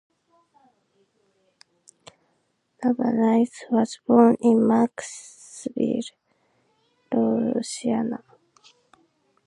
Lavalais was born in Marksville, Louisiana.